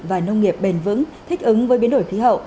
và nông nghiệp bền vững thích ứng với biến đổi khí hậu